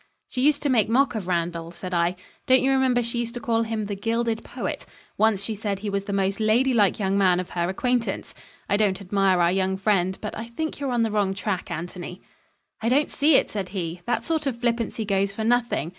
"She used to make mock of Randall," said I. "Don't you remember she used to call him 'the gilded poet'? Once she said he was the most lady like young man of her acquaintance. I don't admire our young friend, but I think you're on the wrong track, Anthony." "I don't see it," said he. "That sort of flippancy goes for nothing.